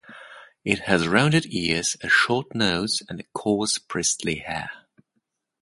It has rounded ears, a short nose, and coarse bristly hair.